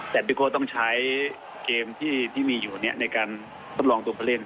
แต่พิโลภาพต้องใช้เกมที่มีอยู่นี้ในการสำรองตัวเผลิน